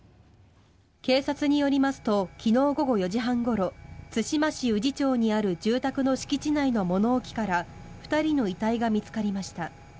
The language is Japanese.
警察によりますと昨日午後４時半ごろ津島市宇治町にある住宅の敷地内の物置から２人の遺体が見つかりました。